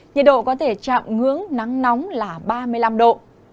nhiệt độ có thể chạm ngưỡng nắng nóng là ba mươi năm độ